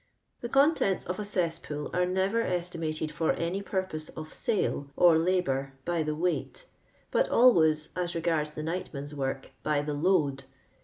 The contents of a cesspool are never esti mated for any purpose of sale or labour by the weight, but idways, as regards the nightmen's work, by the load.